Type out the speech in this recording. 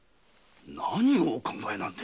何をお考えなんで？